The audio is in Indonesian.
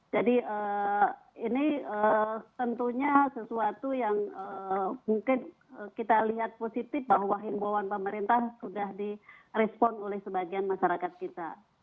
jadi ini tentunya sesuatu yang mungkin kita lihat positif bahwa himbauan pemerintah sudah di respon oleh sebagian masyarakat kita